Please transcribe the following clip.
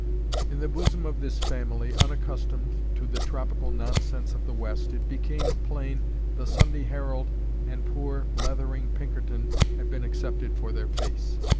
In the bosom of this family, unaccustomed to the tropical nonsense of the West, it became plain the Sunday Herald and poor, blethering Pinkerton had been accepted for their face.